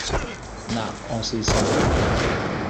N’ọsịsa ha